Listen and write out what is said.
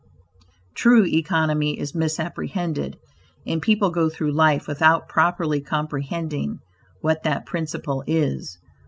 True economy is misapprehended, and people go through life without properly comprehending what that principle is.